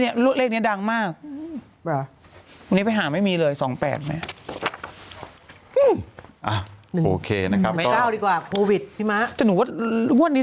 ๒๘อะพี่๒๘หมดจริงหนูไม่มีเลยนะทุกแผงเลย